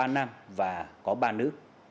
ba nam và có ba nữ